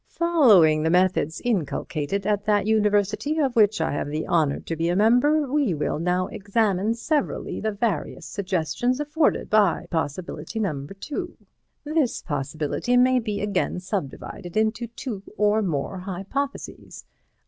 Following the methods inculcated at that University of which I have the honour to be a member, we will now examine severally the various suggestions afforded by Possibility No. 2. This Possibility may be again subdivided into two or more Hypotheses.